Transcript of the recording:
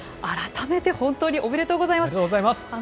改めて本当におめでとうございます。